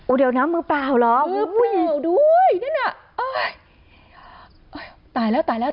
โอ้เดี๋ยวนะมือเปล่าเหรอมือเปล่าด้วยนั่นน่ะโอ๊ย